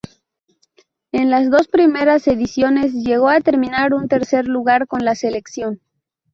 En las dos primeras ediciones llegó a terminar en tercer lugar con la selección.